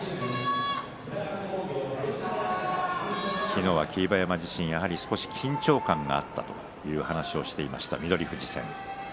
昨日は霧馬山自身やはり少し緊張感があったという話をしていました、翠富士戦。